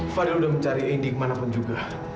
fadil udah mencari indi kemanapun juga